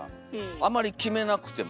あまり決めなくても。